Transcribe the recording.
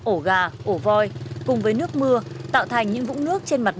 ổ gà ổ voi cùng với nước mưa tạo thành những vũng nước trên mặt